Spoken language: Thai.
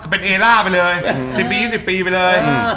เป็นเอล่าไปเลย๑๐ปี๒๐ปีไปเลย